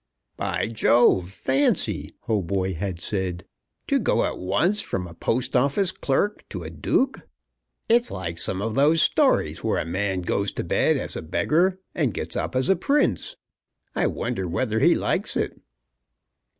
"By Jove, fancy!" Hautboy had said, "to go at once from a Post Office clerk to a duke! It's like some of those stories where a man goes to bed as a beggar and gets up as a prince. I wonder whether he likes it."